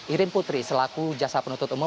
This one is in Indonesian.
irim putri selaku jasa penutup umum